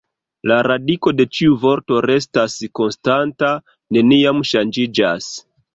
La radiko de ĉiu vorto restas konstanta, neniam ŝanĝiĝas.